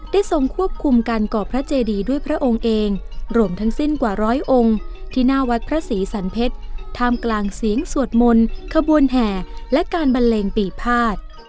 ทรงควบคุมการก่อพระเจดีด้วยพระองค์เองรวมทั้งสิ้นกว่าร้อยองค์ที่หน้าวัดพระศรีสันเพชรท่ามกลางเสียงสวดมนต์ขบวนแห่และการบันเลงปีภาษ